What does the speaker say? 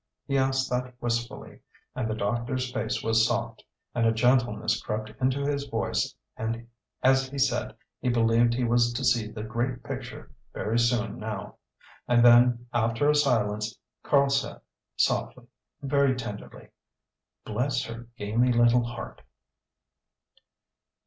He asked that wistfully; and the doctor's face was soft, and a gentleness crept into his voice as he said he believed he was to see the great picture very soon now. And then, after a silence, Karl said, softly, very tenderly "Bless her gamey little heart!"